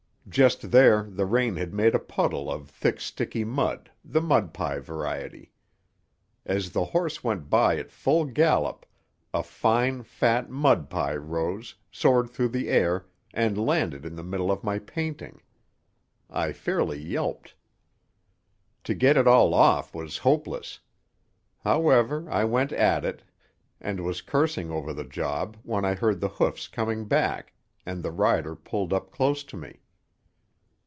Just there the rain had made a puddle of thick sticky mud, the mud pie variety. As the horse went by at full gallop, a fine, fat, mud pie rose, soared through the air, and landed in the middle of my painting. I fairly yelped. To get it all off was hopeless. However, I went at it, and was cursing over the job when I heard the hoofs coming back, and the rider pulled up close to me.